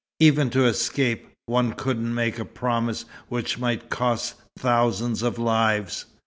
Even to escape, one couldn't make a promise which might cost thousands of lives."